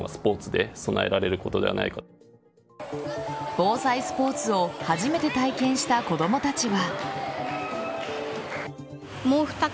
防災スポーツを初めて体験した子供たちは。